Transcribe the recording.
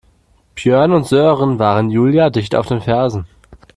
Björn und Sören waren Julia dicht auf den Fersen.